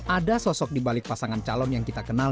ada sosok dibalik pasangan calon yang kita kenal